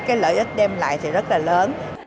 cái lợi ích đem lại thì rất là lớn